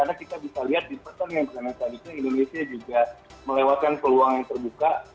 indonesia juga melewatkan peluang yang terbuka